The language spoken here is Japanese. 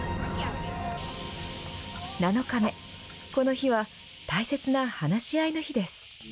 ７日目、この日は大切な話し合いの日です。